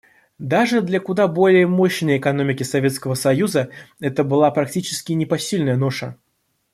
Даже для куда более мощной экономики Советского Союза это была практически непосильная ноша.